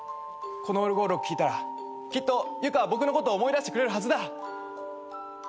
このオルゴールを聴いたらきっとユカは僕のことを思い出してくれるはずだ。